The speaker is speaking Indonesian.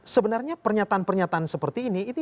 sebenarnya pernyataan pernyataan seperti ini